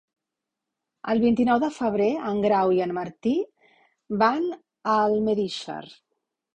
El vint-i-nou de febrer en Grau i en Martí van a Almedíxer.